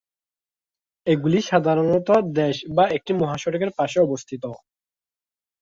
এগুলি সাধারণত দেশে বা একটি মহাসড়কের পাশে অবস্থিত।